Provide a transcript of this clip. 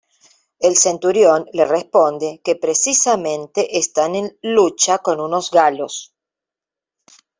El centurión le responde que precisamente están en lucha con unos galos.